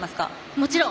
もちろん。